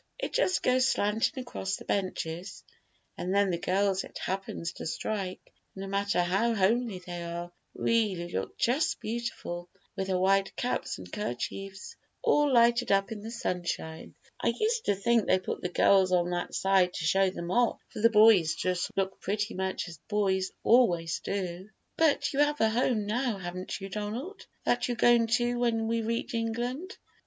It just goes slanting across the benches, and then the girls it happens to strike, no matter how homely they are, really look just beautiful, with their white caps and kerchiefs all lighted up in the sunshine. I used to think they put the girls on that side to show them off, for the boys just look pretty much as boys always do." "But you have a home now, haven't you, Donald, that you're going to when we reach England?"